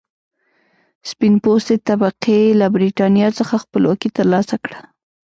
سپین پوستې طبقې له برېټانیا څخه خپلواکي تر لاسه کړه.